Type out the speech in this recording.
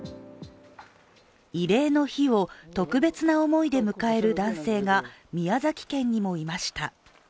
慰霊の日を特別な思いで迎える男性が宮崎県にもいました。